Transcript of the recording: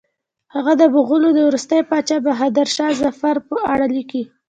هغه د مغولو د وروستي پاچا بهادر شاه ظفر په اړه لیکي.